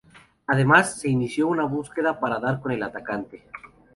Además, se inició una búsqueda para dar con el atacante.